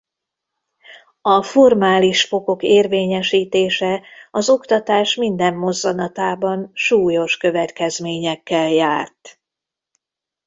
A formális fokok érvényesítése az oktatás minden mozzanatában súlyos következményekkel járt.